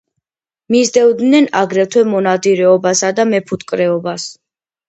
მისდევდნენ აგრეთვე მონადირეობასა და მეფუტკრეობას.